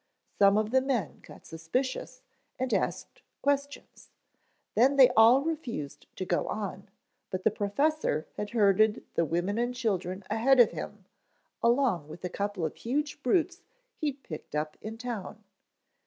Some of the men got suspicious and asked questions, then they all refused to go on, but the professor had herded the women and children ahead of him along with a couple of huge brutes he'd picked up in town.